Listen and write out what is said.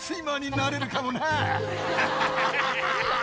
ハハハハハ！